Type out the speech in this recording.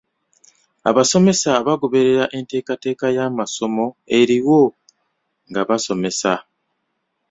Abasomesa bagoberera enteekateeka y'amasomo eriwo nga basomesa.